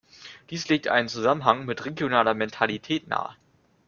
Dies legt einen Zusammenhang mit regionaler Mentalität nahe.